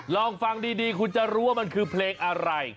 ลองฟังดีคุณจะรู้ว่ามันคือเพลงอะไร